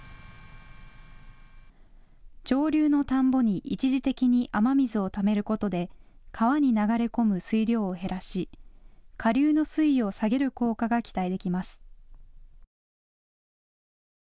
上流の田んぼに一時的に雨水をためることで川に流れ込む水量を減らし下流の水位を下げる効果が期待できます。